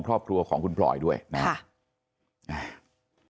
ครอบครัวของคุณพลอยด้วยนะครับ